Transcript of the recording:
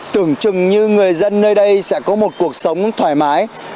tưởng chừng như người dân nơi đây sẽ có một cuộc sống thoải mái